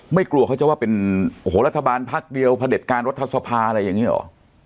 ไม่กลัวเขาจะว่าเป็นโอ้โหรัฐบาลพักเดียวพระเด็จการรัฐสภาอะไรอย่างนี้หรอ